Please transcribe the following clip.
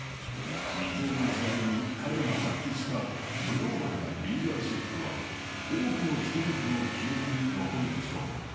未曽有の時代に彼が発揮したグローバルなリーダーシップは、多くの人々の記憶に残るでしょう。